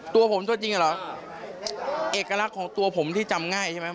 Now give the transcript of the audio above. ตัวผมตัวจริงเหรอเอกลักษณ์ของตัวผมที่จำง่ายใช่ไหม